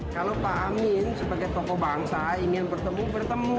kalau pak amin sebagai tokoh bangsa ingin bertemu bertemu